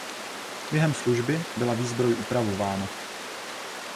Během služby byla výzbroj upravována.